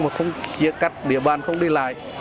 mà không chia cắt địa bàn không đi lại